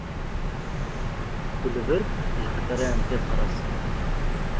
Tu li vir ji xetereyan tê parastin.